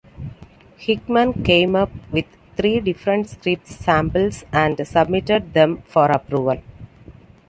Hickman came up with three different script samples and submitted them for approval.